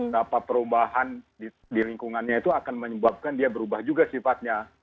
dapat perubahan di lingkungannya itu akan menyebabkan dia berubah juga sifatnya